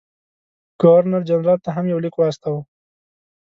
ګورنر جنرال ته هم یو لیک واستاوه.